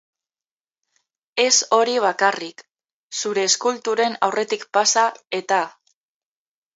Ez hori bakarrik, zure eskulturen aurretik pasa, eta.